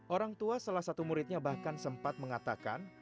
orang tua salah satu muridnya bahkan sempat mengatakan